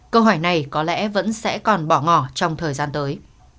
câu hỏi này có lẽ vẫn sẽ còn bỏ ngỏ trong thời gian tới